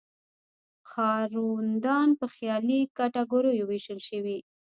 ښاروندان په خیالي کټګوریو ویشل شوي.